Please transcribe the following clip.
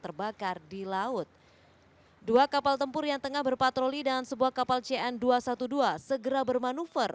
terbakar di laut dua kapal tempur yang tengah berpatroli dan sebuah kapal cn dua ratus dua belas segera bermanuver